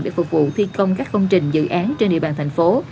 để phục vụ thi công các công trình dự án trên địa bàn thành phố